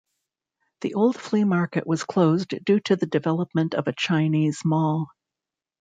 The old flea market was closed due to the development of a Chinese mall.